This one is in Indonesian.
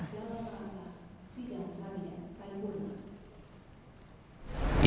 tidak tapi saya berpikir